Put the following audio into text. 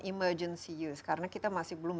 emergency use karena kita masih belum